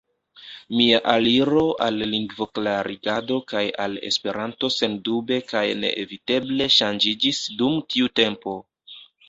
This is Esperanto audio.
Mia aliro al lingvoklarigado kaj al Esperanto sendube kaj neeviteble ŝanĝiĝis dum tiu tempo.